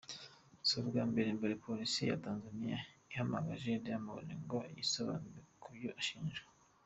Si ubwa mbere Polisi ya Tanzania ihamagaje Diamond ngo yisobanure ku byo ashinjwa.